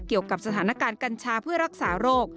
เกี่ยวกับสถานการณ์กัญชาเพื่อรักษาโรค